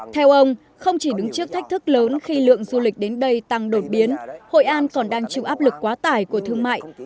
theo ông không chỉ đứng trước thách thức lớn khi lượng du lịch đến đây tăng đột biến hội an còn đang chịu áp lực quá tải của thương mại